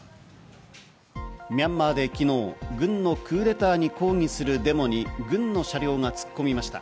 ミャンマーで昨日、軍のクーデターに抗議するデモに軍の車両が突っ込みました。